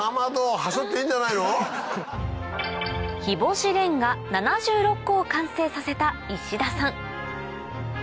日干しレンガ７６個を完成させた石田さん